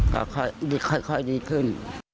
ก็ค่อยดีขึ้น